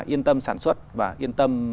yên tâm sản xuất và yên tâm